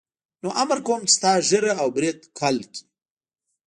نو امر کوم چې ستا ږیره او برېت کل کړي.